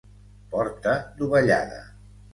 Porta dovellada.